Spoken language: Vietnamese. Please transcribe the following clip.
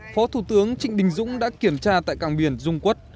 phó thủ tướng trịnh đình dũng đã kiểm tra tại cảng biển dung quốc